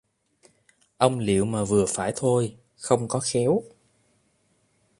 Ông liệu mà vừa phải thôi không có khéo